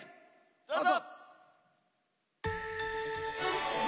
どうぞ！